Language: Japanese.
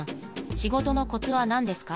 仕事のコツは何ですか？